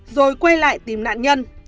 rồi quay lại tìm nạn nhân